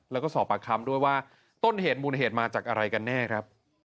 แล้วก็สอบปากคำด้วยว่าต้นเหตุมูลเหตุมาจากอะไรกันแน่ครับ